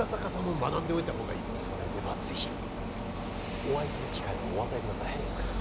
学んでおいた方がいいそれではぜひお会いする機会をお与えください